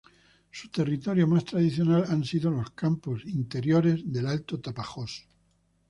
Su territorio más tradicional han sido los campos interiores del alto Tapajós.